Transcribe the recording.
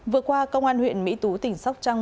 vừa qua công an huyện mỹ tú tỉnh sóc trăng